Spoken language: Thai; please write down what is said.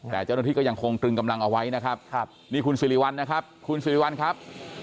แต่เจ้าหน้าที่ก็ยังคงตรึงกำลังเอาไว้นะครับนี่คุณสิริวัลนะครับคุณสิริวัลครับ